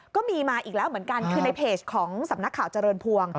ก็มีมาอีกแล้วเหมือนกันคือในเพจของสำนักข่าวเจริญพวง